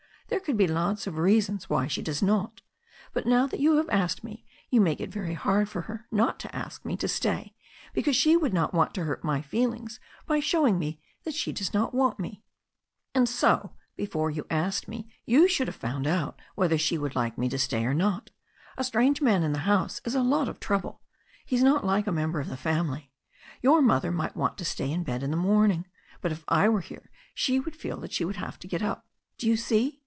There could be lots of reasons why she does not, but now that you have asked me you make it very hard for her not to ask me to stay because she would not want to hurt my feelings by showing me that she does not want me. And so, before you asked me you should have found out whether she would like me to stay or THE STORY OF A NEW ZEALAND RIVER 145 not A strange man in a house is a lot of trouble ; he's not like a member of the family. Your mother might want to stay in bed in the morning, but if I were here she would feel she would have to get up. Do you see?"